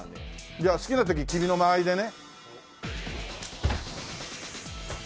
じゃあ好きな時君の間合いでね。